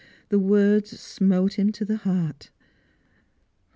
The words smote him to the heart.